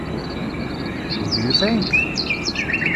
Who do you think?